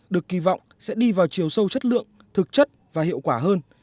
được kỳ vọng sẽ đi vào chiều sâu chất lượng thực chất và hiệu quả hơn